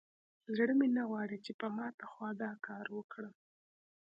زړه مې نه غواړي چې په ماته خوا دا کار وکړم.